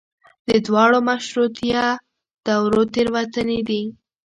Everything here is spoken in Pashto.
د دواړو مشروطیه دورو تېروتنې دي.